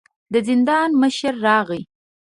د زندان مشر راغی.